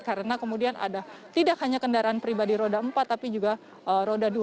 karena kemudian ada tidak hanya kendaraan pribadi roda empat tapi juga roda dua